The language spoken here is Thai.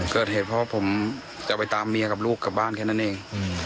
เกิดเหตุเพราะว่าผมจะไปตามเมียกับลูกกลับบ้านแค่นั้นเอง